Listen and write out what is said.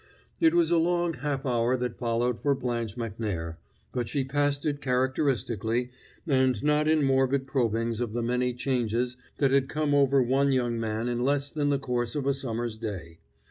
It was a long half hour that followed for Blanche Macnair, but she passed it characteristically, and not in morbid probings of the many changes that had come over one young man in less than the course of a summer's day.